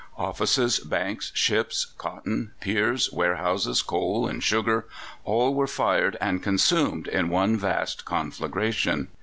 Offices, banks, ships, cotton, piers, warehouses, coal, and sugar all were fired and consumed in one vast conflagration.